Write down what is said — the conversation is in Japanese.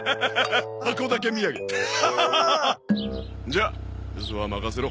じゃあ留守は任せろ。